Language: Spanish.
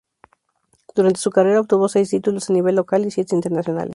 Durante su carrera obtuvo seis títulos a nivel local y siete internacionales.